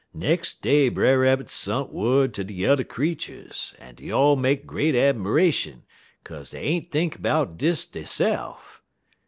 "Nex' day Brer Rabbit sont wud ter de yuther creeturs, en dey all make great 'miration, kaze dey ain't think 'bout dis deyse'f.